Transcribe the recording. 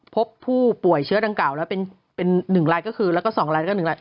พบผู้ป่วยเชื้อดังเก่าแล้วเป็นหนึ่งรายก็คือแล้วก็สองรายก็หนึ่งราย